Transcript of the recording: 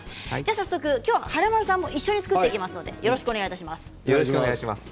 早速、今日は華丸さんも一緒に作っていきますのでよろしくお願いします。